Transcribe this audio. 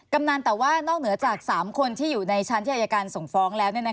กำนันแต่ว่านอกเหนือจาก๓คนที่อยู่ในชั้นที่อายการส่งฟ้องแล้ว